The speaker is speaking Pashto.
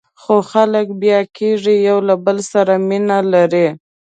خو خلک بیا کېږي، یو له بل سره مینه لري.